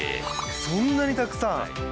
そんなにたくさん。